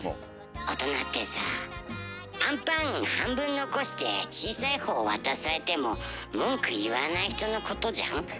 大人ってさああんぱん半分残して小さい方渡されても文句言わない人のことじゃん？